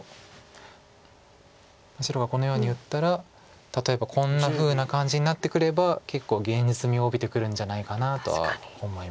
白がこのように打ったら例えばこんなふうな感じになってくれば結構現実味を帯びてくるんじゃないかなとは思います。